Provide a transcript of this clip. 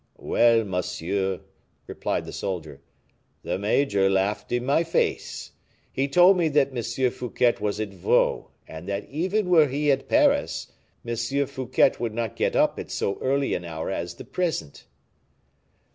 "Well, monsieur," replied the soldier, "the major laughed in my face. He told me that M. Fouquet was at Vaux, and that even were he at Paris, M. Fouquet would not get up at so early an hour as the present."